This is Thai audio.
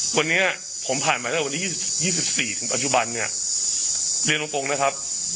วันนี้ผมผ่านมาแล้ววันนี้ยี่สิบสี่ถึงปัจจุบันเนี้ยเรียนตรงตรงนะครับ